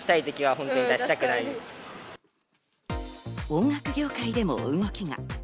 音楽業界でも動きが。